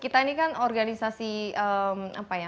kita mungkin itu kebanyakan yang berhasil kita untuk